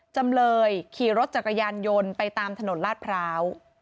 จำเลยขี่รถจักรยานยนต์ไปตามถนนลาดพร้าว